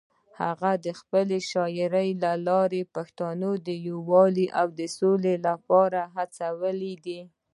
هغه د خپلې شاعرۍ له لارې پښتانه د یووالي او سولې لپاره هڅولي دي.